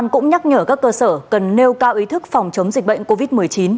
cũng nhắc nhở các cơ sở cần nêu cao ý thức phòng chống dịch bệnh covid một mươi chín